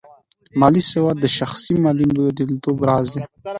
مالي سواد د شخصي مالي بریالیتوب راز دی.